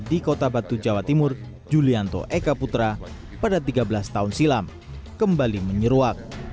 di kota batu jawa timur julianto eka putra pada tiga belas tahun silam kembali menyeruak